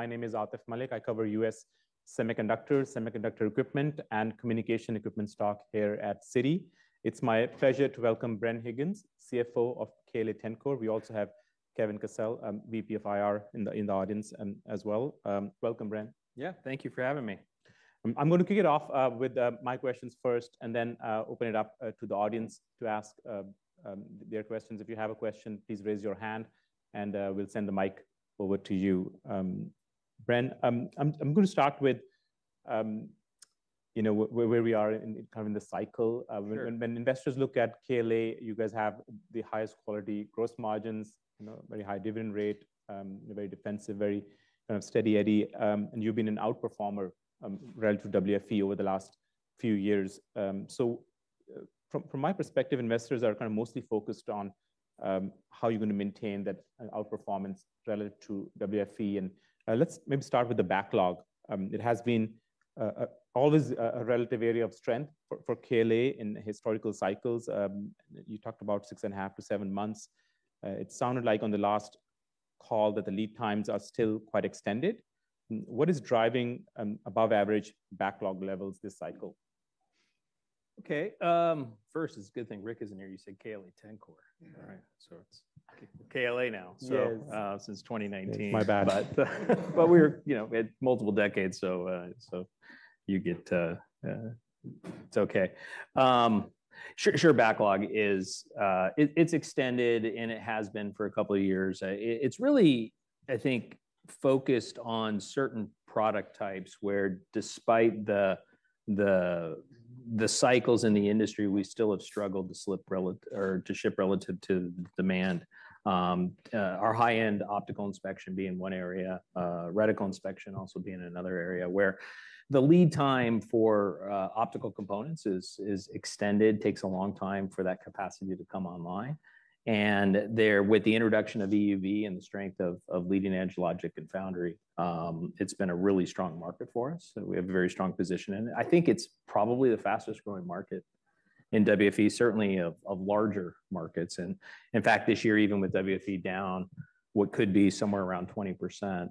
My name is Atif Malik. I cover US semiconductor, semiconductor equipment, and communication equipment stock here at Citi. It's my pleasure to welcome Bren Higgins, CFO of KLA-Tencor. We also have Kevin Kessel, VP of IR in the audience as well. Welcome, Bren. Yeah, thank you for having me. I'm going to kick it off with my questions first, and then open it up to the audience to ask their questions. If you have a question, please raise your hand, and we'll send the mic over to you. Bren, I'm going to start with you know, where we are kind of in the cycle. Sure. When investors look at KLA, you guys have the highest quality gross margins, you know, very high dividend rate, very defensive, very kind of Steady Eddy, and you've been an outperformer, relative to WFE over the last few years. So from my perspective, investors are kind of mostly focused on how you're going to maintain that outperformance relative to WFE. And let's maybe start with the backlog. It has been always a relative area of strength for KLA in historical cycles. You talked about 6.5-7 months. It sounded like on the last call that the lead times are still quite extended. What is driving above average backlog levels this cycle? Okay, first, it's a good thing Rick isn't here. You said KLA-Tencor. Yeah. So it's KLA now. Yes. So, since 2019. My bad. But we're, you know, we had multiple decades, so, so you get, it's okay. Sure, sure, backlog is, it's extended, and it has been for a couple of years. It's really, I think, focused on certain product types, where despite the cycles in the industry, we still have struggled to ship relative to demand. Our high-end optical inspection being one area, reticle inspection also being another area, where the lead time for optical components is extended, takes a long time for that capacity to come online. And there, with the introduction of EUV and the strength of leading-edge logic and foundry, it's been a really strong market for us, so we have a very strong position in it. I think it's probably the fastest-growing market in WFE, certainly of larger markets. And in fact, this year, even with WFE down, what could be somewhere around 20%,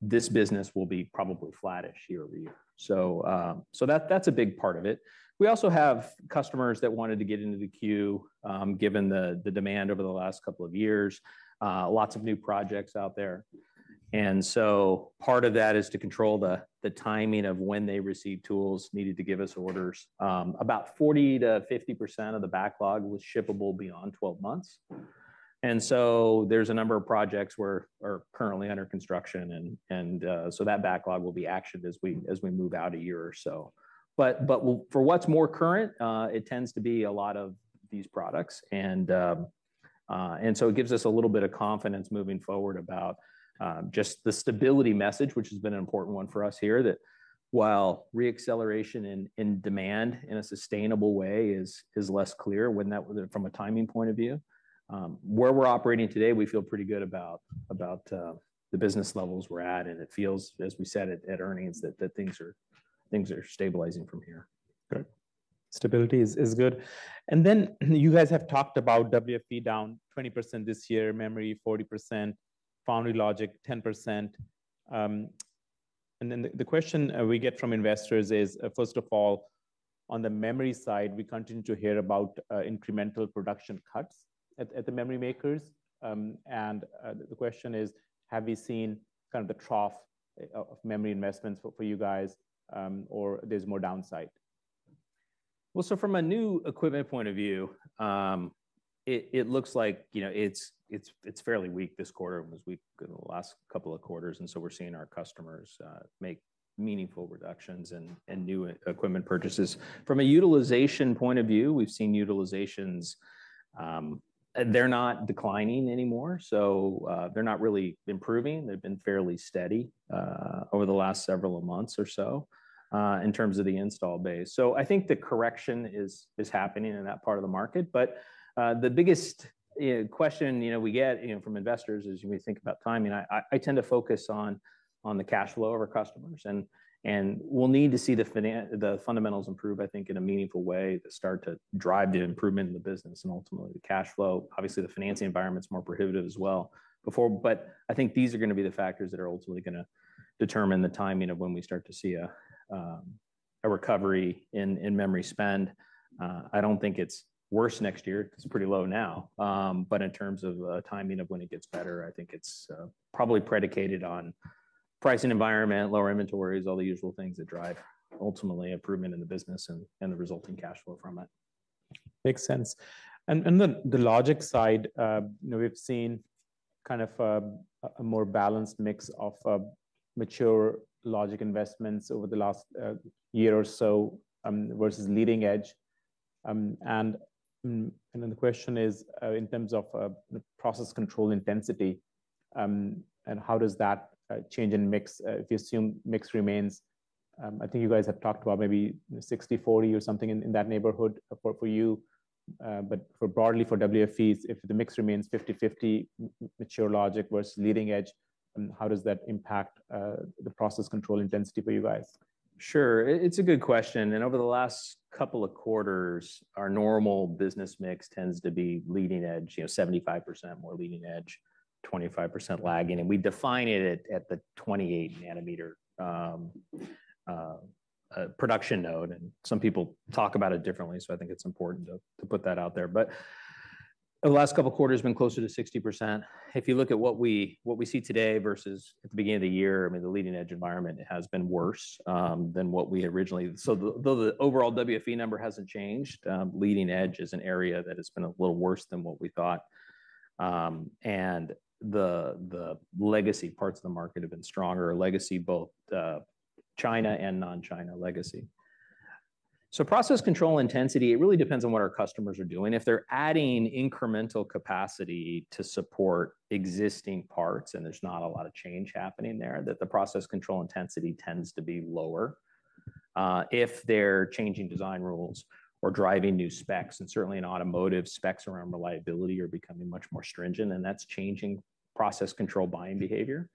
this business will be probably flattish year over year. So, that's a big part of it. We also have customers that wanted to get into the queue, given the demand over the last couple of years, lots of new projects out there. And so part of that is to control the timing of when they receive tools needed to give us orders. About 40%-50% of the backlog was shippable beyond 12 months. And so there's a number of projects where are currently under construction and, so that backlog will be actioned as we, as we move out a year or so. But for what's more current, it tends to be a lot of these products, and so it gives us a little bit of confidence moving forward about just the stability message, which has been an important one for us here. That while re-acceleration in demand in a sustainable way is less clear when that from a timing point of view, where we're operating today, we feel pretty good about the business levels we're at, and it feels, as we said at earnings, that things are stabilizing from here. Good. Stability is good. Then you guys have talked about WFE down 20% this year, memory 40%, foundry logic 10%. And then the question we get from investors is, first of all, on the memory side, we continue to hear about incremental production cuts at the memory makers. And the question is: have you seen kind of the trough of memory investments for you guys, or there's more downside? Well, so from a new equipment point of view, it looks like, you know, it's fairly weak this quarter and was weak in the last couple of quarters, and so we're seeing our customers make meaningful reductions in new equipment purchases. From a utilization point of view, we've seen utilizations, they're not declining anymore, so they're not really improving. They've been fairly steady over the last several months or so in terms of the install base. So I think the correction is happening in that part of the market. But the biggest question, you know, we get from investors is when we think about timing, I tend to focus on the cash flow of our customers. We'll need to see the fundamentals improve, I think, in a meaningful way that start to drive the improvement in the business and ultimately the cash flow. Obviously, the financing environment's more prohibitive as well before, but I think these are going to be the factors that are ultimately going to determine the timing of when we start to see a recovery in memory spend. I don't think it's worse next year. It's pretty low now. But in terms of timing of when it gets better, I think it's probably predicated on pricing environment, lower inventories, all the usual things that drive ultimately improvement in the business and the resulting cash flow from it. Makes sense. The logic side, you know, we've seen kind of a more balanced mix of mature logic investments over the last year or so, versus leading edge. Then the question is, in terms of the process control intensity, and how does that change in mix, if you assume mix remains? I think you guys have talked about maybe 60/40 or something in that neighborhood for you. But for broadly for WFE, if the mix remains 50/50, mature logic versus leading-edge, how does that impact the process control intensity for you guys? Sure. It's a good question, and over the last couple of quarters, our normal business mix tends to be leading edge, you know, 75% more leading edge, 25% lagging. And we define it at the 28 nanometer production node, and some people talk about it differently, so I think it's important to put that out there. But the last couple of quarters have been closer to 60%. If you look at what we see today versus at the beginning of the year, I mean, the leading-edge environment has been worse than what we originally. So though the overall WFE number hasn't changed, leading edge is an area that has been a little worse than what we thought. And the legacy parts of the market have been stronger, legacy both China and non-China legacy. Process control intensity really depends on what our customers are doing. If they're adding incremental capacity to support existing parts, and there's not a lot of change happening there, the process control intensity tends to be lower. If they're changing design rules or driving new specs, and certainly in automotive, specs around reliability are becoming much more stringent, and that's changing process control buying behavior.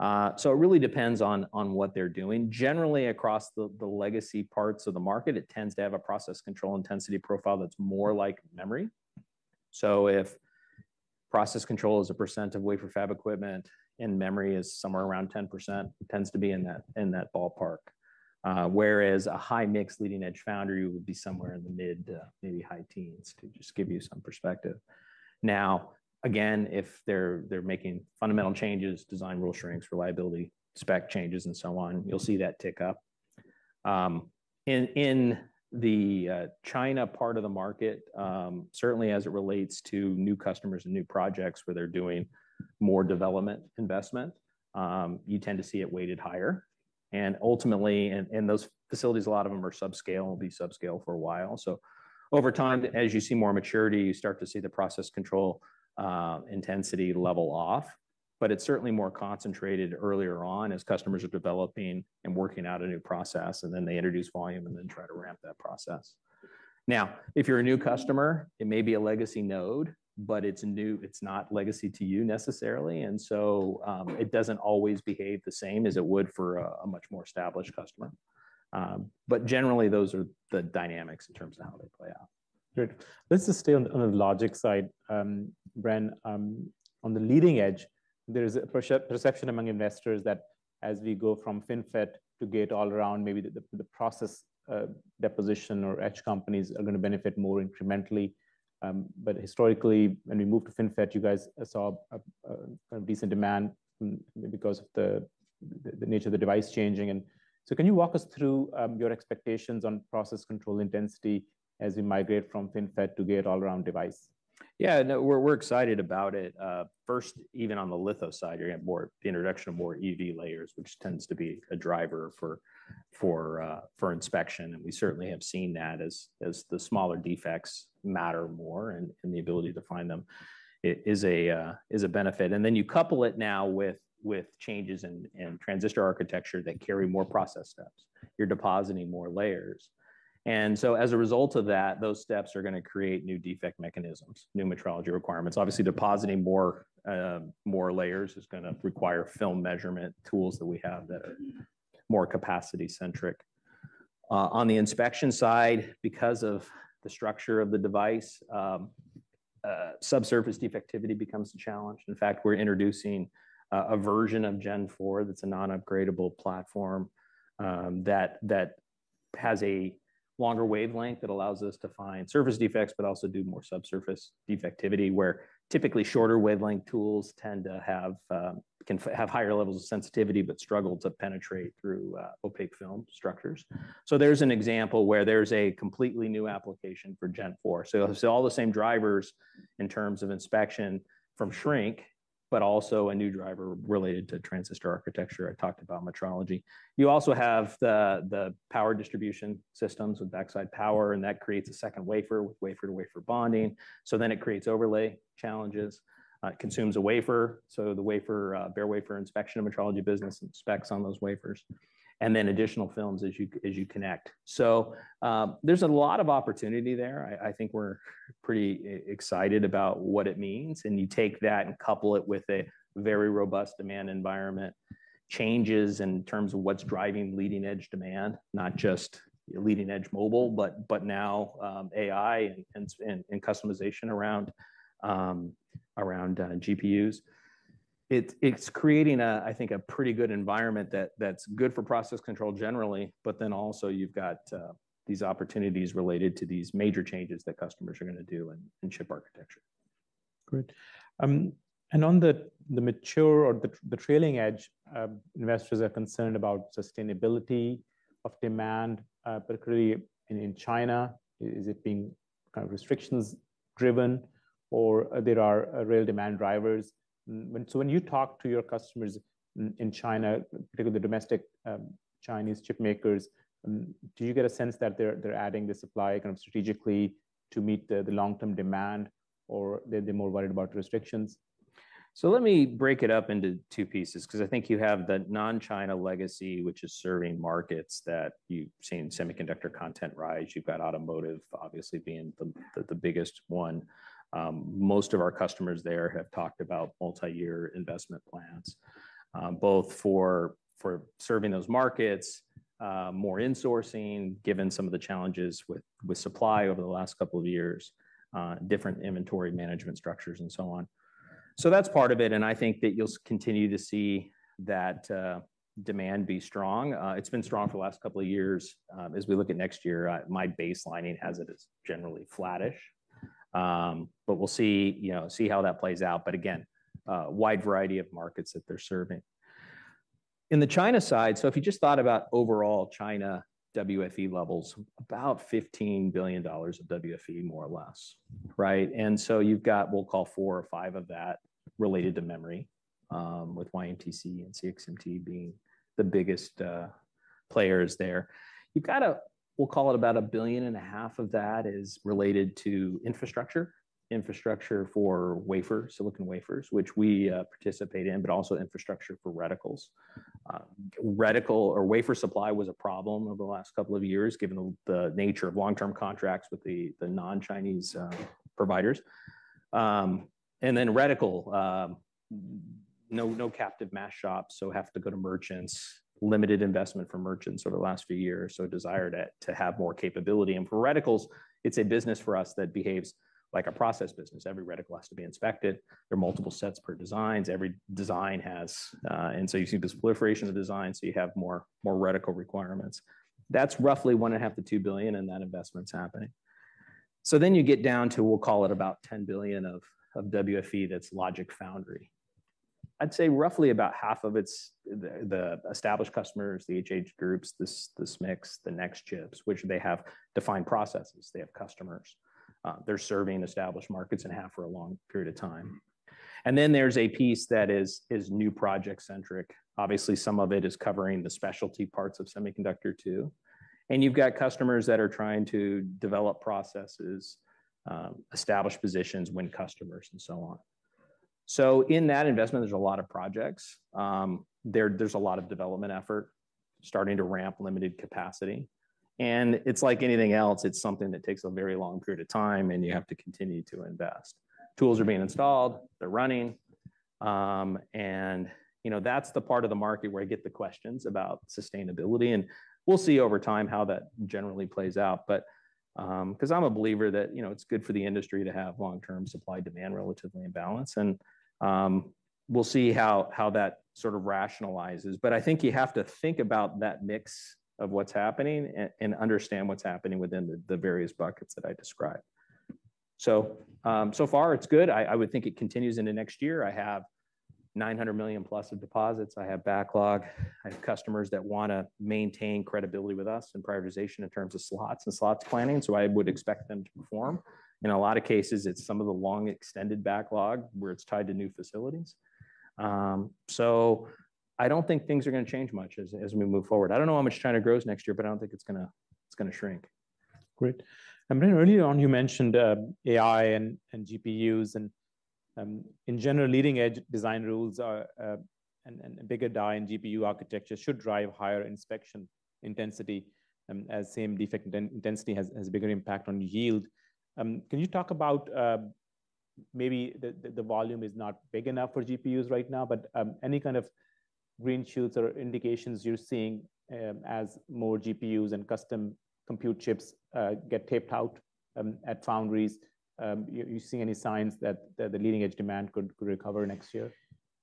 It really depends on what they're doing. Generally, across the legacy parts of the market, it tends to have a process control intensity profile that's more like memory. If process control is a percent of wafer fab equipment, and memory is somewhere around 10%, it tends to be in that ballpark. Whereas a high-mix leading-edge foundry would be somewhere in the mid, maybe high teens, to just give you some perspective. Now, again, if they're making fundamental changes, design rule shrinks, reliability, spec changes, and so on, you'll see that tick up. In the China part of the market, certainly as it relates to new customers and new projects where they're doing more development investment, you tend to see it weighted higher. Ultimately, those facilities, a lot of them are subscale, will be subscale for a while. So over time, as you see more maturity, you start to see the process control intensity level off. But it's certainly more concentrated earlier on as customers are developing and working out a new process, and then they introduce volume and then try to ramp that process. Now, if you're a new customer, it may be a legacy node, but it's new, it's not legacy to you necessarily, and so, it doesn't always behave the same as it would for a much more established customer. But generally, those are the dynamics in terms of how they play out. Great. Let's just stay on the logic side, Bren. On the leading edge, there is a perception among investors that as we go from FinFET to Gate-All-Around, maybe the process deposition or etch companies are going to benefit more incrementally. But historically, when we moved to FinFET, you guys saw a decent demand because of the nature of the device changing. So can you walk us through your expectations on process control intensity as we migrate from FinFET to Gate-All-Around device? Yeah, no, we're excited about it. First, even on the litho side, you're getting more, the introduction of more EUV layers, which tends to be a driver for inspection. And we certainly have seen that as the smaller defects matter more, and the ability to find them is a benefit. And then you couple it now with changes in transistor architecture that carry more process steps. You're depositing more layers. And so as a result of that, those steps are going to create new defect mechanisms, new metrology requirements. Obviously, depositing more layers is going to require film measurement tools that we have that are more capacity-centric. On the inspection side, because of the structure of the device, subsurface defectivity becomes a challenge. In fact, we're introducing a version of Gen 4 that's a non-upgradable platform that has a longer wavelength that allows us to find surface defects but also do more subsurface defectivity, where typically shorter wavelength tools tend to have higher levels of sensitivity but struggle to penetrate through opaque film structures. So there's an example where there's a completely new application for Gen 4. So all the same drivers in terms of inspection from shrink, but also a new driver related to transistor architecture. I talked about metrology. You also have the power distribution systems with backside power, and that creates a second wafer with wafer-to-wafer bonding. So then it creates overlay challenges. It consumes a wafer, so the wafer bare wafer inspection and metrology business specs on those wafers, and then additional films as you connect. So, there's a lot of opportunity there. I think we're pretty excited about what it means, and you take that and couple it with a very robust demand environment, changes in terms of what's driving leading-edge demand, not just leading-edge mobile, but now AI and customization around GPUs. It's creating a, I think, a pretty good environment that's good for process control generally, but then also you've got these opportunities related to these major changes that customers are going to do in chip architecture. Great. And on the mature or the trailing edge, investors are concerned about sustainability of demand, particularly in China. Is it being kind of restrictions-driven or there are real demand drivers? So when you talk to your customers in China, particularly the domestic Chinese chipmakers, do you get a sense that they're adding the supply kind of strategically to meet the long-term demand, or they're more worried about restrictions?... So let me break it up into two pieces, 'cause I think you have the non-China legacy, which is serving markets that you've seen semiconductor content rise. You've got automotive obviously being the biggest one. Most of our customers there have talked about multi-year investment plans, both for serving those markets, different inventory management structures, and so on. So that's part of it, and I think that you'll continue to see that demand be strong. It's been strong for the last couple of years. As we look at next year, my baselining has it as generally flattish. But we'll see, you know, how that plays out, but again, a wide variety of markets that they're serving. On the China side, if you just thought about overall China WFE levels, about $15 billion of WFE, more or less, right? You've got, we'll call $4 billion-$5 billion of that related to memory, with YMTC and CXMT being the biggest players there. You've got a, we'll call it about $1.5 billion of that related to infrastructure. Infrastructure for silicon wafers, which we participate in, but also infrastructure for reticles. Reticle or wafer supply was a problem over the last couple of years, given the nature of long-term contracts with the non-Chinese providers. Reticle, no captive mask shop, so have to go to merchants. Limited investment for merchants over the last few years, so a desire to have more capability. For reticles, it's a business for us that behaves like a process business. Every reticle has to be inspected. There are multiple sets per designs. Every design has... And so you see this proliferation of designs, so you have more, more reticle requirements. That's roughly $1.5-$2 billion, and that investment's happening. So then you get down to, we'll call it, about $10 billion of WFE, that's Logic Foundry. I'd say roughly about half of it's the established customers, the HH groups, the SMICs, the Nexchips, which they have defined processes. They have customers. They're serving established markets and have for a long period of time. And then there's a piece that is new project-centric. Obviously, some of it is covering the specialty parts of semiconductor too. And you've got customers that are trying to develop processes, establish positions, win customers, and so on. So in that investment, there's a lot of projects. There's a lot of development effort starting to ramp limited capacity, and it's like anything else, it's something that takes a very long period of time, and you have to continue to invest. Tools are being installed, they're running, you know, that's the part of the market where I get the questions about sustainability, and we'll see over time how that generally plays out. But 'cause I'm a believer that, you know, it's good for the industry to have long-term supply-demand relatively in balance, and we'll see how that sort of rationalizes. But I think you have to think about that mix of what's happening and understand what's happening within the various buckets that I described. So, so far, it's good. I would think it continues into next year. I have $900 million plus of deposits. I have backlog. I have customers that wanna maintain credibility with us and prioritization in terms of slots and slots planning, so I would expect them to perform. In a lot of cases, it's some of the long extended backlog where it's tied to new facilities. So I don't think things are gonna change much as we move forward. I don't know how much China grows next year, but I don't think it's gonna shrink. Great. And then earlier on, you mentioned AI and GPUs, and in general, leading-edge design rules and bigger die in GPU architecture should drive higher inspection intensity, as same defect density has a bigger impact on yield. Can you talk about maybe the volume is not big enough for GPUs right now, but any kind of green shoots or indications you're seeing as more GPUs and custom compute chips get taped out at foundries? You seeing any signs that the leading-edge demand could recover next year?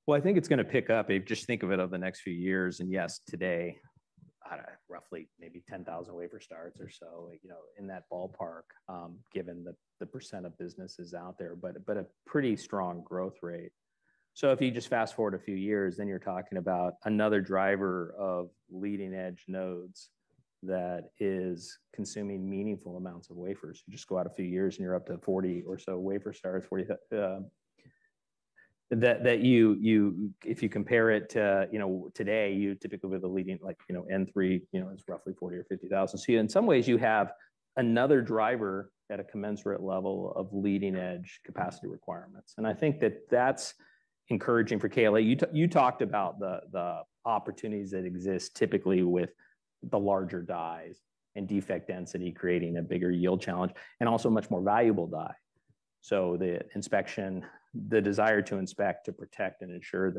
Well, I think it's gonna pick up if you just think of it over the next few years, and yes, today, I don't know, roughly maybe 10,000 wafer starts or so, you know, in that ballpark, given the percent of businesses out there, but a pretty strong growth rate. So if you just fast-forward a few years, then you're talking about another driver of leading-edge nodes that is consuming meaningful amounts of wafers. You just go out a few years, and you're up to 40 or so wafer starts, 40, that if you compare it to, you know, today, you typically have a leading, like, you know, N3, you know, is roughly 40 or 50,000. So in some ways, you have another driver at a commensurate level of leading-edge capacity requirements, and I think that that's encouraging for KLA. You talked about the opportunities that exist typically with the larger dies and defect density, creating a bigger yield challenge, and also a much more valuable die. So the inspection, the desire to inspect, to protect and ensure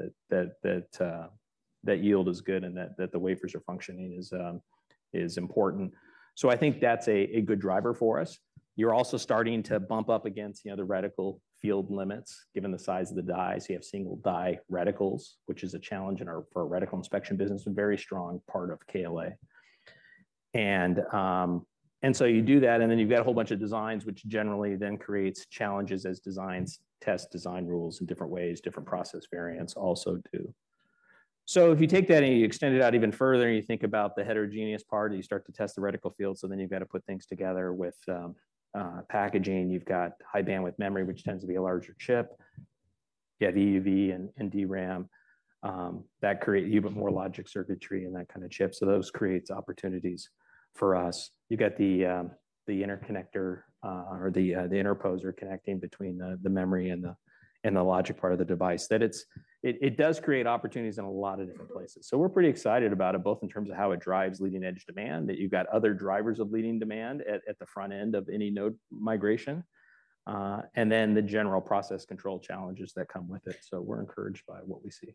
that yield is good and that the wafers are functioning is important. So I think that's a good driver for us. You're also starting to bump up against, you know, the reticle field limits, given the size of the die. So you have single die reticles, which is a challenge in our - for our reticle inspection business, a very strong part of KLA. And so you do that, and then you've got a whole bunch of designs, which generally then creates challenges as designs test design rules in different ways, different process variants also too. So if you take that and you extend it out even further, and you think about the heterogeneous part, and you start to test the reticle field, so then you've got to put things together with packaging. You've got high-bandwidth memory, which tends to be a larger chip. You have EUV and DRAM that create even more logic circuitry and that kind of chip. So those creates opportunities for us. You've got the interconnector or the interposer connecting between the memory and the logic part of the device. That it does create opportunities in a lot of different places. So we're pretty excited about it, both in terms of how it drives leading-edge demand, that you've got other drivers of leading demand at the front end of any node migration, and then the general process control challenges that come with it. So we're encouraged by what we see.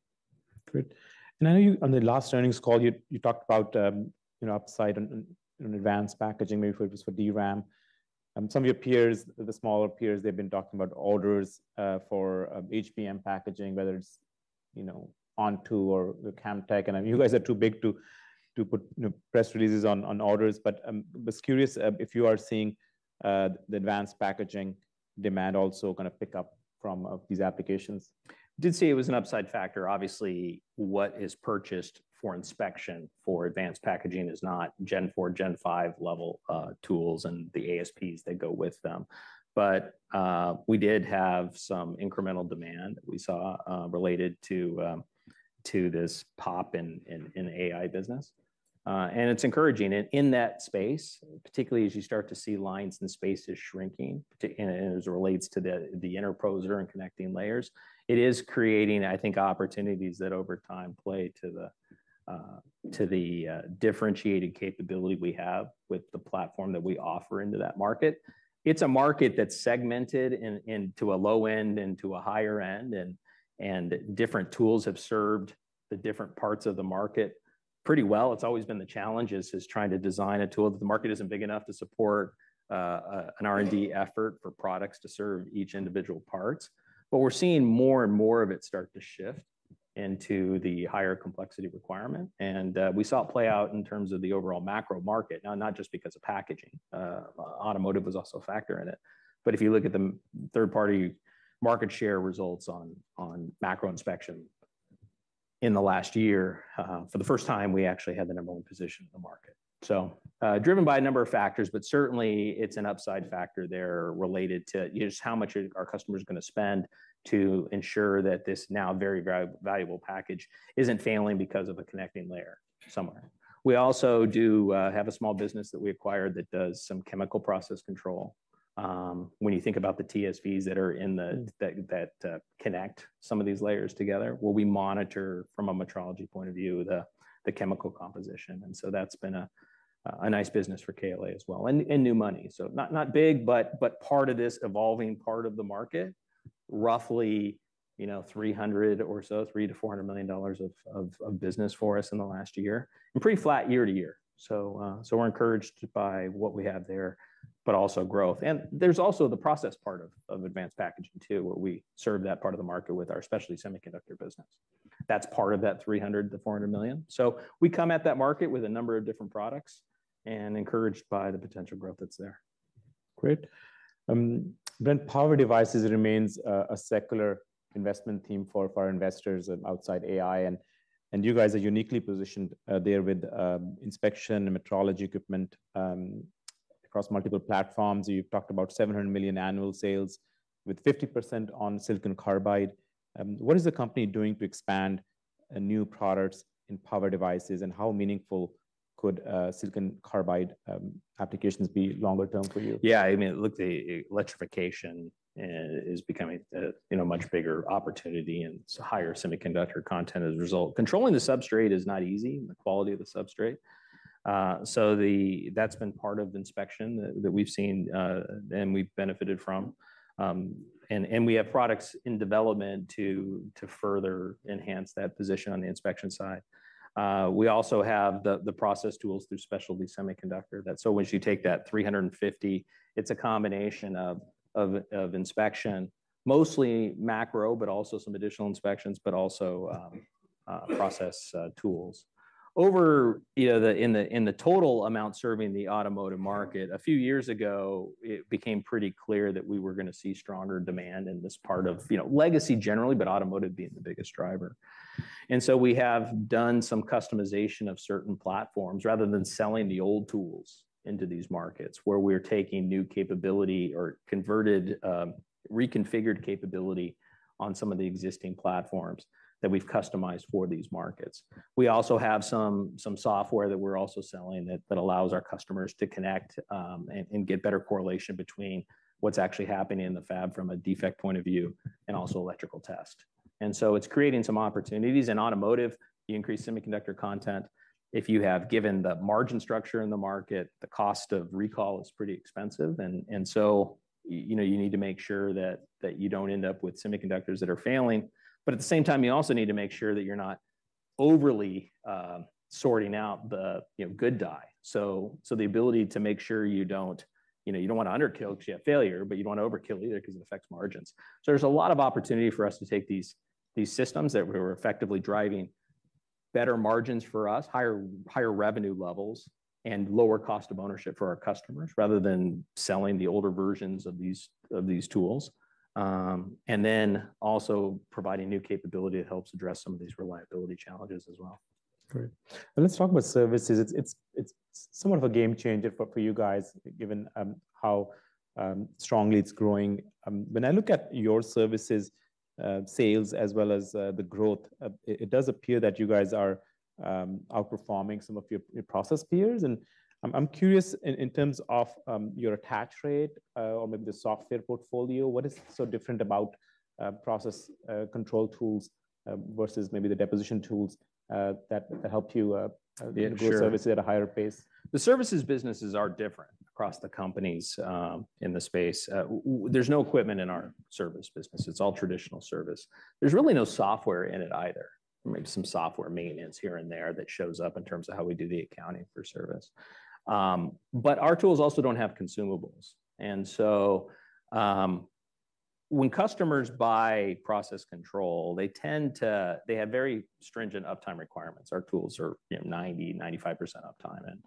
Great. I know you, on the last earnings call, you talked about, you know, upside in advanced packaging, maybe if it was for DRAM. Some of your peers, the smaller peers, they've been talking about orders for HBM packaging, whether it's, you know, Onto or Camtek. I know you guys are too big to put, you know, press releases on orders, but I was curious if you are seeing the advanced packaging demand also kind of pick up from these applications? Did say it was an upside factor. Obviously, what is purchased for inspection for advanced packaging is not Gen 4, Gen 5 level tools and the ASPs that go with them. We did have some incremental demand we saw related to this pop in AI business. It's encouraging. In that space, particularly as you start to see lines and spaces shrinking, particularly as it relates to the interposer and connecting layers, it is creating, I think, opportunities that over time play to the differentiated capability we have with the platform that we offer into that market. It's a market that's segmented into a low end and to a higher end, and different tools have served the different parts of the market pretty well. It's always been the challenge, trying to design a tool that the market isn't big enough to support an R&D effort for products to serve each individual parts. But we're seeing more and more of it start to shift into the higher complexity requirement, and we saw it play out in terms of the overall macro market, not just because of packaging. Automotive was also a factor in it. But if you look at the third-party market share results on macro inspection, in the last year, for the first time, we actually had the number one position in the market. So, driven by a number of factors, but certainly it's an upside factor there related to just how much are our customers going to spend to ensure that this now very valuable package isn't failing because of a connecting layer somewhere. We also do have a small business that we acquired that does some chemical process control. When you think about the TSVs that connect some of these layers together, well, we monitor from a metrology point of view the chemical composition. And so that's been a nice business for KLA as well, and new money. So not big, but part of this evolving part of the market, roughly, you know, $300 million or so, $300-$400 million of business for us in the last year. Pretty flat year to year. So, we're encouraged by what we have there, but also growth. And there's also the process part of advanced packaging too, where we serve that part of the market with our specialty semiconductor business. That's part of that $300 million-$400 million. So we come at that market with a number of different products and encouraged by the potential growth that's there. Great. Then power devices remains a secular investment theme for our investors outside AI, and you guys are uniquely positioned there with inspection and metrology equipment across multiple platforms. You've talked about $700 million annual sales with 50% on silicon carbide. What is the company doing to expand new products in power devices, and how meaningful could silicon carbide applications be longer term for you? Yeah, I mean, look, the electrification is becoming a, you know, much bigger opportunity, and it's higher semiconductor content as a result. Controlling the substrate is not easy, the quality of the substrate. So that's been part of inspection that we've seen and we've benefited from. And we have products in development to further enhance that position on the inspection side. We also have the process tools through specialty semiconductor. So once you take that 350, it's a combination of inspection, mostly macro, but also some additional inspections, but also process tools. You know, in the total amount serving the automotive market, a few years ago, it became pretty clear that we were going to see stronger demand in this part of, you know, legacy generally, but automotive being the biggest driver. So we have done some customization of certain platforms, rather than selling the old tools into these markets, where we're taking new capability or converted reconfigured capability on some of the existing platforms that we've customized for these markets. We also have some software that we're also selling that allows our customers to connect and get better correlation between what's actually happening in the fab from a defect point of view, and also electrical test. So it's creating some opportunities. In automotive, the increased semiconductor content, if you have given the margin structure in the market, the cost of recall is pretty expensive. So, you know, you need to make sure that you don't end up with semiconductors that are failing. But at the same time, you also need to make sure that you're not overly sorting out the, you know, good die. So the ability to make sure you don't, you know, you don't want to underkill because you have failure, but you don't want to overkill either because it affects margins. So there's a lot of opportunity for us to take these systems that we're effectively driving better margins for us, higher revenue levels, and lower cost of ownership for our customers, rather than selling the older versions of these tools. And then also providing new capability that helps address some of these reliability challenges as well.... Great. And let's talk about services. It's somewhat of a game changer for you guys, given how strongly it's growing. When I look at your services sales, as well as the growth, it does appear that you guys are outperforming some of your process peers. And I'm curious in terms of your attach rate, or maybe the software portfolio, what is so different about process control tools versus maybe the deposition tools that helped you grow services at a higher pace? The services businesses are different across the companies in the space. There's no equipment in our service business. It's all traditional service. There's really no software in it either, or maybe some software maintenance here and there that shows up in terms of how we do the accounting for service. But our tools also don't have consumables. And so, when customers buy process control, they tend to have very stringent uptime requirements. Our tools are, you know, 90%-95% uptime.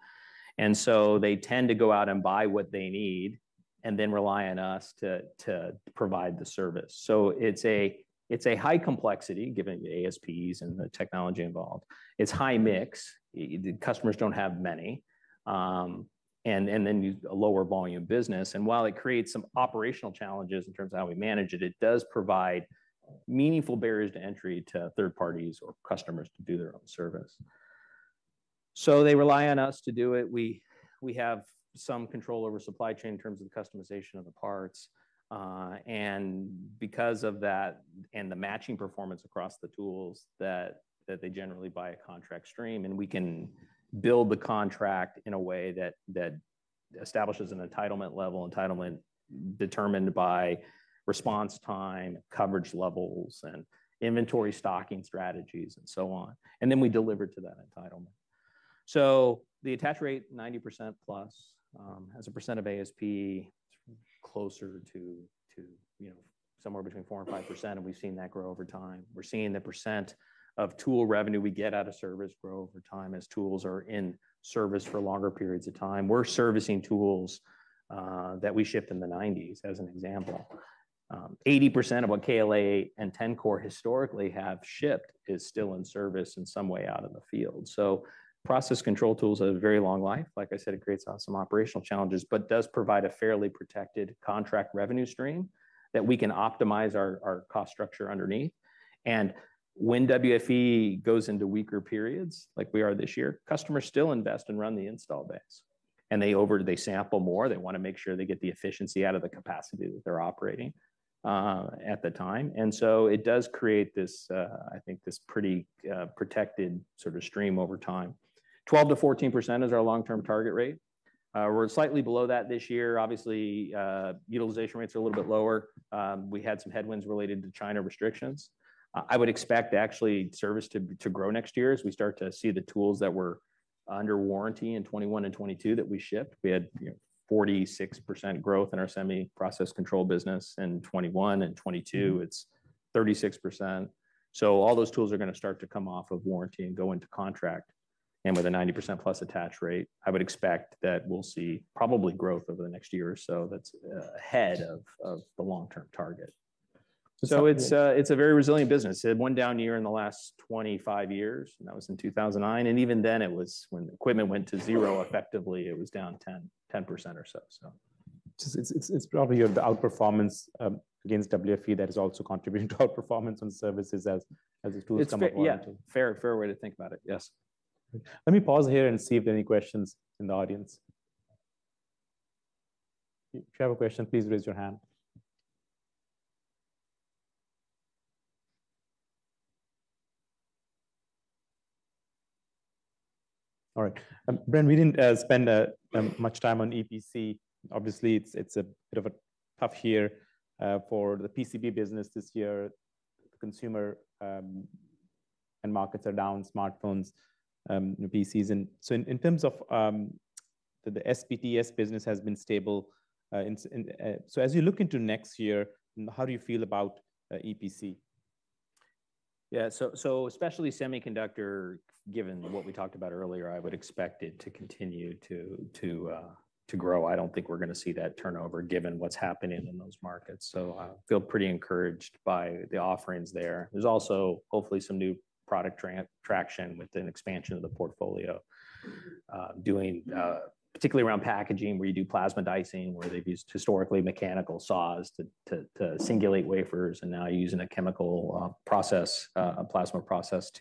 And so they tend to go out and buy what they need, and then rely on us to provide the service. So it's a high complexity, given the ASPs and the technology involved. It's high mix. The customers don't have many, a lower volume business. While it creates some operational challenges in terms of how we manage it, it does provide meaningful barriers to entry to third parties or customers to do their own service. So they rely on us to do it. We have some control over supply chain in terms of the customisation of the parts. And because of that, and the matching performance across the tools, that they generally buy a contract stream, and we can build the contract in a way that establishes an entitlement level, entitlement determined by response time, coverage levels, and inventory stocking strategies, and so on. And then we deliver to that entitlement. So the attach rate, 90% plus, as a percent of ASP, it's closer to, you know, somewhere between 4% and 5%, and we've seen that grow over time. We're seeing the percent of tool revenue we get out of service grow over time as tools are in service for longer periods of time. We're servicing tools that we shipped in the 1990s, as an example. 80% of what KLA and Tenkor historically have shipped is still in service in some way out in the field. So process control tools have a very long life. Like I said, it creates some operational challenges, but does provide a fairly protected contract revenue stream that we can optimize our, our cost structure underneath. And when WFE goes into weaker periods, like we are this year, customers still invest and run the install base, and they sample more. They want to make sure they get the efficiency out of the capacity that they're operating at the time. So it does create this, I think, this pretty, protected sort of stream over time. 12%-14% is our long-term target rate. We're slightly below that this year. Obviously, utilization rates are a little bit lower. We had some headwinds related to China restrictions. I would expect actually service to grow next year as we start to see the tools that were under warranty in 2021 and 2022 that we shipped. We had, you know, 46% growth in our semi process control business in 2021 and 2022. It's 36%. So all those tools are going to start to come off of warranty and go into contract. And with a 90%+ attach rate, I would expect that we'll see probably growth over the next year or so that's ahead of the long-term target. So it's a very resilient business. It had one down year in the last 25 years, and that was in 2009, and even then, it was when equipment went to zero, effectively, it was down 10, 10% or so, so. It's probably the outperformance against WFE that is also contributing to outperformance on services as the tools come up into- Yeah, fair, fair way to think about it, yes. Let me pause here and see if there are any questions in the audience. If you have a question, please raise your hand. All right, Bren, we didn't spend much time on EPC. Obviously, it's a bit of a tough year for the PCB business this year. Consumer and markets are down, smartphones, PCs. And so in terms of the SPTS business has been stable, and so as you look into next year, how do you feel about EPC? Yeah, so especially semiconductor, given what we talked about earlier, I would expect it to continue to grow. I don't think we're going to see that turnover, given what's happening in those markets. So I feel pretty encouraged by the offerings there. There's also, hopefully, some new product traction with an expansion of the portfolio, doing particularly around packaging, where you do plasma dicing, where they've used historically mechanical saws to singulate wafers, and now using a chemical process, a plasma process...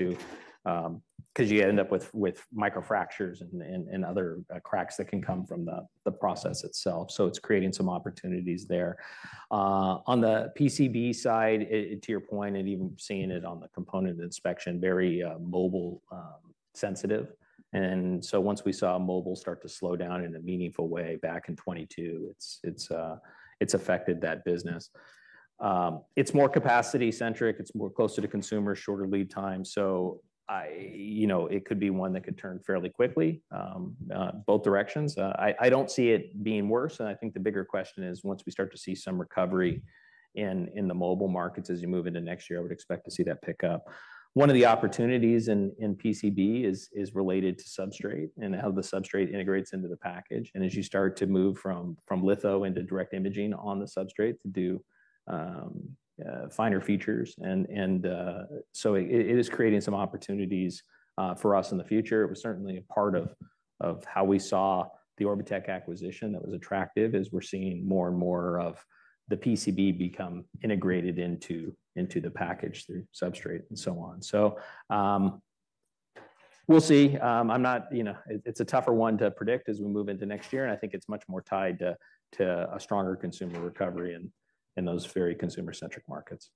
Because you end up with microfractures and other cracks that can come from the process itself. So it's creating some opportunities there. On the PCB side, to your point, and even seeing it on the component inspection, very mobile sensitive. And so once we saw mobile start to slow down in a meaningful way back in 2022, it's affected that business. It's more capacity-centric, it's more closer to consumer, shorter lead time, so I—you know, it could be one that could turn fairly quickly, both directions. I don't see it being worse, and I think the bigger question is, once we start to see some recovery in the mobile markets as you move into next year, I would expect to see that pick up. One of the opportunities in PCB is related to substrate and how the substrate integrates into the package, and as you start to move from litho into direct imaging on the substrate to do finer features. So it is creating some opportunities for us in the future. It was certainly a part of how we saw the Orbotech acquisition that was attractive, as we're seeing more and more of the PCB become integrated into the package, the substrate, and so on. So, we'll see. I'm not, you know, it, it's a tougher one to predict as we move into next year, and I think it's much more tied to a stronger consumer recovery in those very consumer-centric markets.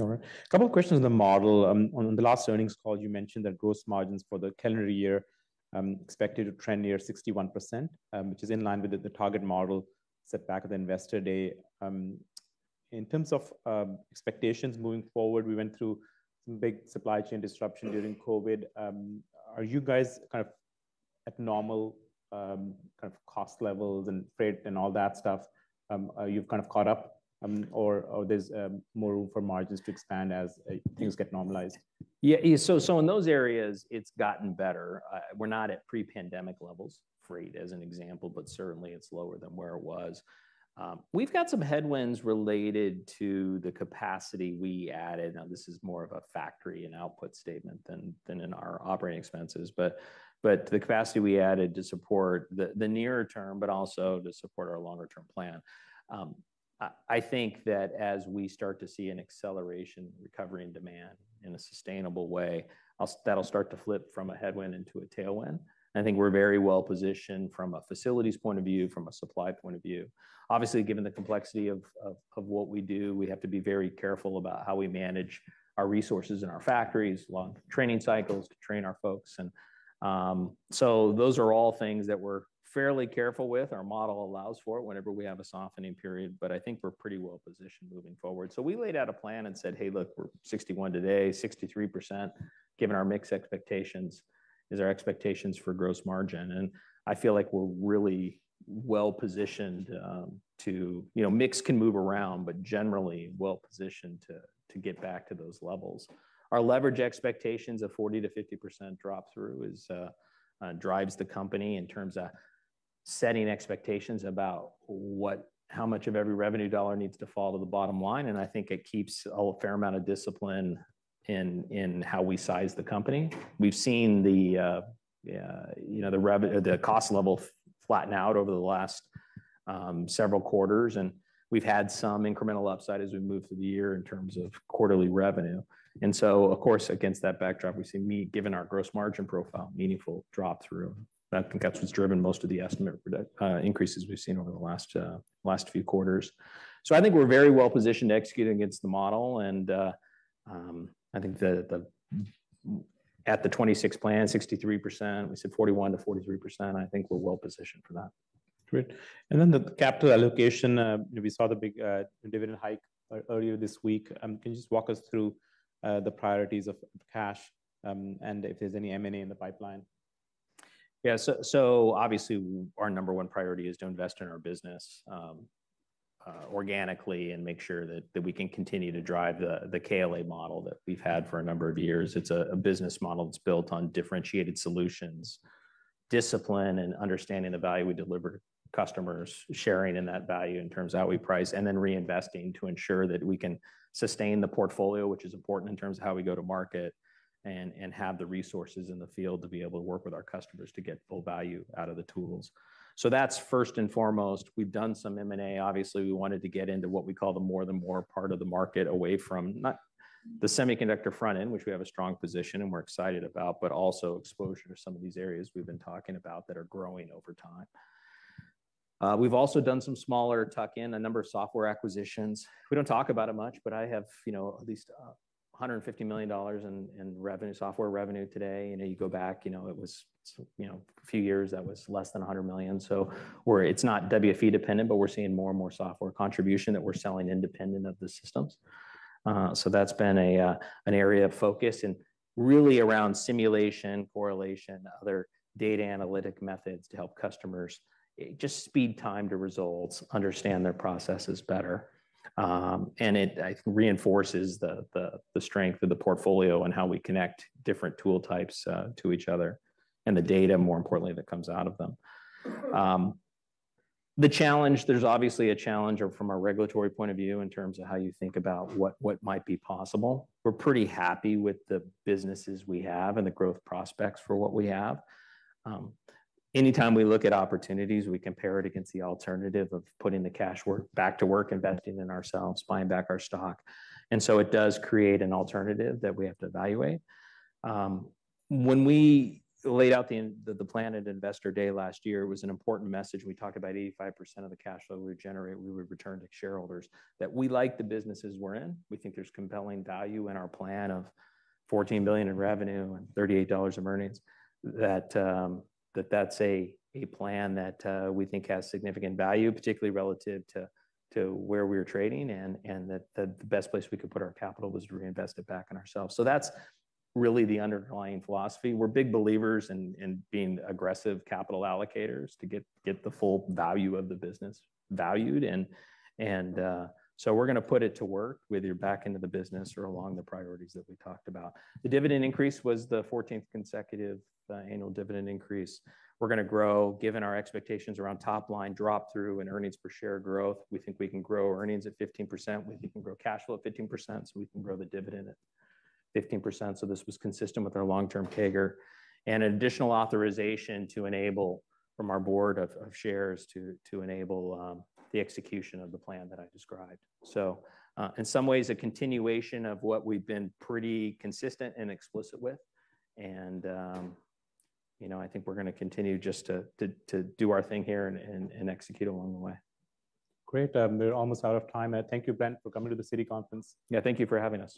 All right. A couple of questions on the model. On the last earnings call, you mentioned that gross margins for the calendar year expected to trend near 61%, which is in line with the target model set back at the Investor Day. In terms of expectations moving forward, we went through some big supply chain disruption during COVID. Are you guys kind of at normal cost levels and freight and all that stuff? Are you kind of caught up, or there's more room for margins to expand as things get normalized? Yeah, yeah, so in those areas, it's gotten better. We're not at pre-pandemic levels, freight, as an example, but certainly it's lower than where it was. We've got some headwinds related to the capacity we added. Now, this is more of a factory and output statement than in our operating expenses, but the capacity we added to support the nearer term, but also to support our longer-term plan. I think that as we start to see an acceleration recovery in demand in a sustainable way, that'll start to flip from a headwind into a tailwind. I think we're very well positioned from a facilities point of view, from a supply point of view. Obviously, given the complexity of what we do, we have to be very careful about how we manage our resources in our factories, long training cycles to train our folks, and. So those are all things that we're fairly careful with. Our model allows for it whenever we have a softening period, but I think we're pretty well positioned moving forward. So we laid out a plan and said: Hey, look, we're 61 today, 63%, given our mix expectations, is our expectations for gross margin, and I feel like we're really well positioned to-- You know, mix can move around, but generally well positioned to get back to those levels. Our leverage expectations of 40%-50% drop-through drives the company in terms of setting expectations about how much of every revenue dollar needs to fall to the bottom line, and I think it keeps a fair amount of discipline in how we size the company. We've seen the, you know, the revenue—the cost level flatten out over the last several quarters, and we've had some incremental upside as we moved through the year in terms of quarterly revenue. Of course, against that backdrop, we've seen, given our gross margin profile, meaningful drop-through. I think that's what's driven most of the estimate increases we've seen over the last few quarters. So I think we're very well positioned to execute against the model, and I think at the 2026 plan, 63%, we said 41%-43%, I think we're well positioned for that. Great. And then the capital allocation, we saw the big dividend hike earlier this week. Can you just walk us through the priorities of cash, and if there's any M&A in the pipeline? Yeah, so obviously, our number one priority is to invest in our business organically and make sure that we can continue to drive the KLA model that we've had for a number of years. It's a business model that's built on differentiated solutions, discipline, and understanding the value we deliver to customers, sharing in that value in terms of how we price, and then reinvesting to ensure that we can sustain the portfolio, which is important in terms of how we go to market, and have the resources in the field to be able to work with our customers to get full value out of the tools. So that's first and foremost. We've done some M&A. Obviously, we wanted to get into what we call the More than Moore part of the market away from, not the semiconductor front end, which we have a strong position, and we're excited about, but also exposure to some of these areas we've been talking about that are growing over time. We've also done some smaller tuck-in, a number of software acquisitions. We don't talk about it much, but I have, you know, at least $150 million in revenue, software revenue today. You know, you go back, you know, it was, you know, a few years, that was less than $100 million. So, we're—it's not WFE dependent, but we're seeing more and more software contribution that we're selling independent of the systems. So that's been a, an area of focus and really around simulation, correlation, other data analytic methods to help customers just speed time to results, understand their processes better. And it, I think, reinforces the, the, the strength of the portfolio and how we connect different tool types, to each other, and the data, more importantly, that comes out of them. The challenge, there's obviously a challenge from a regulatory point of view in terms of how you think about what, what might be possible. We're pretty happy with the businesses we have and the growth prospects for what we have. Anytime we look at opportunities, we compare it against the alternative of putting the cash back to work, investing in ourselves, buying back our stock. And so it does create an alternative that we have to evaluate. When we laid out the plan at Investor Day last year, it was an important message. We talked about 85% of the cash flow we generate, we would return to shareholders, that we like the businesses we're in. We think there's compelling value in our plan of $14 billion in revenue and $38 in earnings, that that's a plan that we think has significant value, particularly relative to where we're trading, and that the best place we could put our capital was to reinvest it back in ourselves. So that's really the underlying philosophy. We're big believers in being aggressive capital allocators to get the full value of the business valued, and so we're gonna put it to work, whether you're back into the business or along the priorities that we talked about. The dividend increase was the fourteenth consecutive annual dividend increase. We're gonna grow, given our expectations around top line drop through and earnings per share growth. We think we can grow earnings at 15%. We think we can grow cash flow at 15%, so we can grow the dividend at 15%. So this was consistent with our long-term CAGR, and additional authorization to enable from our board of shares to enable the execution of the plan that I described. So, in some ways, a continuation of what we've been pretty consistent and explicit with, and, you know, I think we're gonna continue just to do our thing here and execute along the way. Great. We're almost out of time. Thank you, Bren, for coming to the Citi conference. Yeah, thank you for having us.